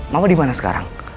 mama dimana sekarang